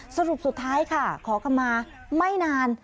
สรุปสุดท้ายค่ะขอคำมาไม่นาน